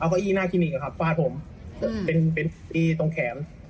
เอาก้ออีฟาดหน้าคลินิกครับฟาดผมเป็นอีฟาดตรงแขน